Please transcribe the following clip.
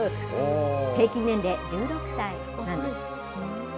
平均年齢１６歳なんです。